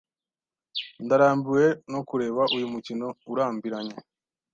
Ndarambiwe no kureba uyu mukino urambiranye.